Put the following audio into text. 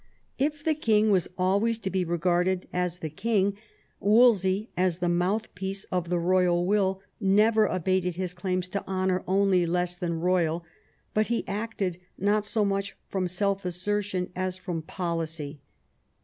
If the king was always to be regarded as the king, Wolsey, as the mouthpiece of the royal will, never abated his claims to honour only less than royal ; but he acted not so much from self assertion as from policy.